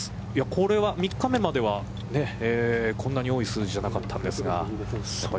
これは３日目まではこんなに多い数字じゃなかったんですが。